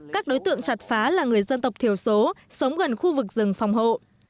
các đối tượng chặt phá là người dân tộc thiểu số sống gần khu vực rừng phòng hộ